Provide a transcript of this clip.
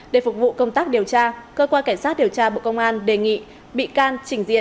để phục vụ công tác điều tra cơ quan cảnh sát điều tra bộ công an đề nghị bị can trình diện